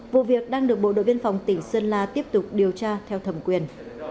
vụ việc đang được bộ đội biên phòng tp hcm tiếp tục điều tra theo thẩm quyền